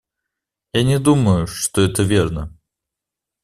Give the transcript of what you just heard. Я не думаю, что это верно.